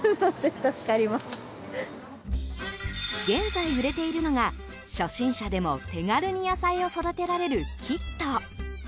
現在、売れているのが初心者でも手軽に野菜を育てられるキット。